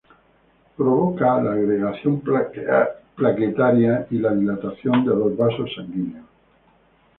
Provoca la agregación plaquetaria y la dilatación de los vasos sanguíneos.